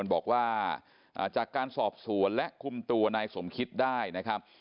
บอกว่าจากการสอบสวนและคุมตัวนายสมคิดได้นะครับ